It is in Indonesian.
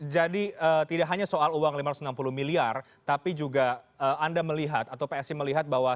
jadi tidak hanya soal uang rp lima ratus enam puluh miliar tapi juga anda melihat atau psi melihat bahwa